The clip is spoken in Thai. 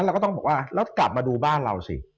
เราก้ต้องแล้วกลับมาดูบ้านเราสิ